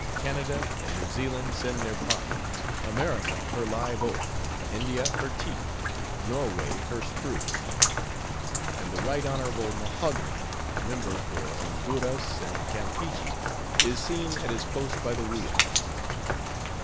Canada and New Zealand send their pines; America her live oak; India her teak; Norway her spruce; and the Right Honorable Mahogany, member for Honduras and Campeachy, is seen at his post by the wheel.